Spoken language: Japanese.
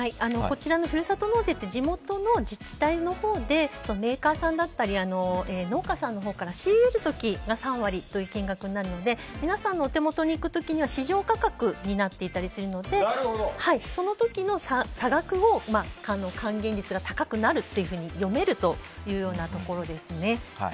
ふるさと納税って地元の自治体でメーカーさんだったり農家さんから仕入れる時が３割という金額になるので皆さんのお手元に行く時には市場価格になっていたりするのでその時の差額を、還元率が高くなるというふうに読めるというところですね。